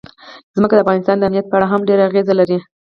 ځمکه د افغانستان د امنیت په اړه هم ډېر اغېز لري.